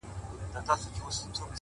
جنازې دي چي ډېرېږي د خوارانو-